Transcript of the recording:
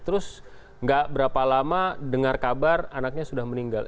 terus nggak berapa lama dengar kabar anaknya sudah meninggal